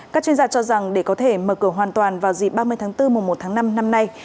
các chuyên gia cho rằng để có thể mở cửa hoàn toàn vào dịp ba mươi tháng bốn mùa một tháng năm năm nay